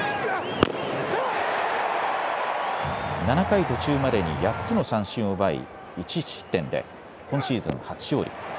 ７回途中までに８つの三振を奪い１失点で今シーズン初勝利。